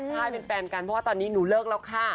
ใช่เป็นแฟนกันเพราะว่าตอนนี้หนูเลิกแล้วค่ะ